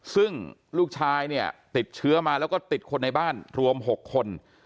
ซึ่งลูกชายเนี่ยติดเชื้อมาแล้วก็ติดคนในบ้านรวม๖คน